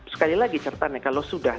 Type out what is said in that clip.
sekali lagi ceritanya kalau sudah